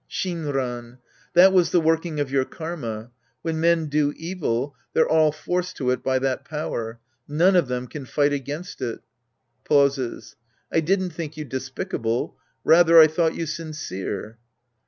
Shinran. That was the working of your karma. When men do evil, they're all forced to it by that power. None of them can fight against it. (Pauses.) I didn't think you despicable. Rather, I thought you sincere.